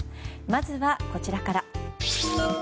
まずは、こちらから。